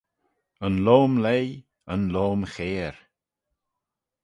Yn loam leigh, yn loam chair